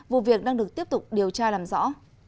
vụ việc đang được tiếp tục điều tra làm rõ